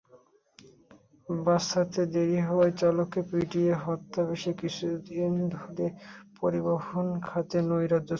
বাস ছাড়তে দেরি হওয়ায় চালককে পিটিয়ে হত্যাবেশ কিছুদিন ধরে পরিবহন খাতে নৈরাজ্য চলছে।